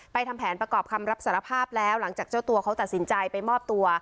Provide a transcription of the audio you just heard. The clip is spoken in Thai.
ทำแผนประกอบคำรับสารภาพแล้วหลังจากเจ้าตัวเขาตัดสินใจไปมอบตัว